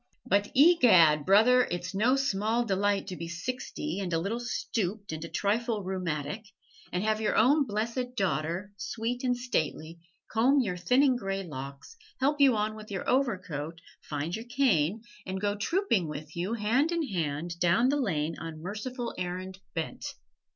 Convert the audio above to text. But, egad! brother, it's no small delight to be sixty and a little stooped and a trifle rheumatic, and have your own blessed daughter, sweet and stately, comb your thinning gray locks, help you on with your overcoat, find your cane, and go trooping with you, hand in hand, down the lane on merciful errand bent.